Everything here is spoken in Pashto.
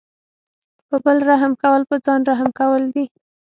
په بل رحم کول په ځان رحم کول دي.